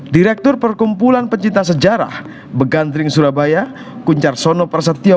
direktur perkumpulan pencinta sejarah begandering surabaya kuncarsono prasetyo